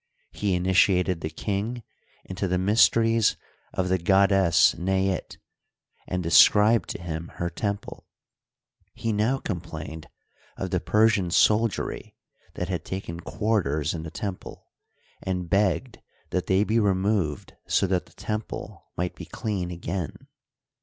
He initiated the king into the mysteries of the goddess Neit, and described to him her temple. He now com plained of the Persian soldiery that had taken quarters in the temple, and begged that fhey be removed so that the temple might be clean again.